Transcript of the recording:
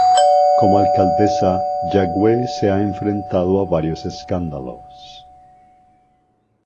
Como alcaldesa, Yagüe se ha enfrentado a varios escándalos.